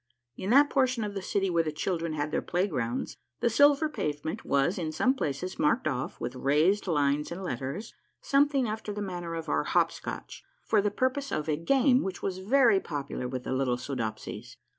In that portion of the city where the children had their playgrounds the silver pavement was in some places marked otf with raised lines and letters, some thing after the manner of our hop scotch, for the purpose of a game which was very popular with the little Soodopsies.